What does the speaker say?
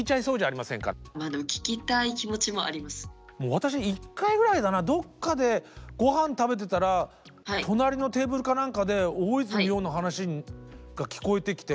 私１回ぐらいだなどっかでごはん食べてたら隣のテーブルか何かで大泉洋の話が聞こえてきて。